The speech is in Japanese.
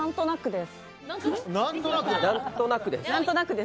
何となくです。